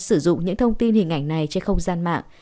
sử dụng những thông tin hình ảnh này trên không gian mạng